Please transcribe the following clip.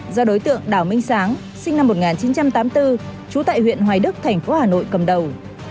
do đối tượng đào minh sáng sinh năm một nghìn chín trăm tám mươi bốn trú tại huyện hoài đức thành phố hà nội cầm đầu